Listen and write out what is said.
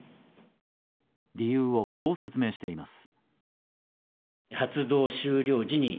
理由をこう説明しています。